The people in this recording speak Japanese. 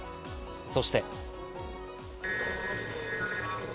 そして。